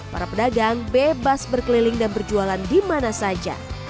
para pedagang bebas berkeliling dan berjualan di mana saja